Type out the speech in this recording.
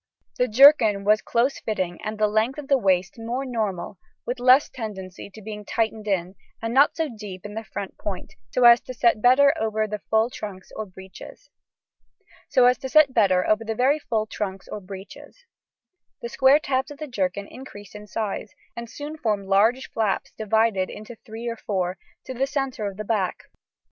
] The jerkin was close fitting and the length of the waist more normal, with less tendency to being tightened in, and not so deep in the front point, so as to set better over the very full trunks or breeches. The square tabs of the jerkin increased in size, and soon formed large flaps divided into three or four, to the centre of the back.